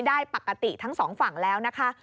ได้ปกติทั้งสองฝั่งแล้วนะคะ